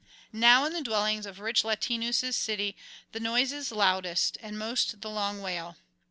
Now in the dwellings of rich Latinus' city the noise is loudest and most the long wail.